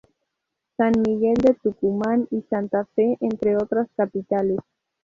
San Miguel de Tucumán y Santa Fe entre otras capitales.